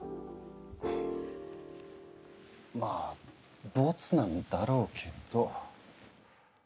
まあボツなんだろうけど。